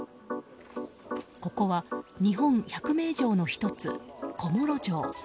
ここは、日本１００名城の１つ小諸城。